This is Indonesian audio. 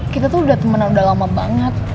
kita tuh udah temenan udah lama banget